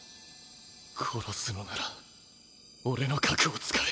殺すのなら俺の核を使え。